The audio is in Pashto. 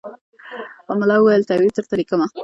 ملا وویل تعویذ درته لیکمه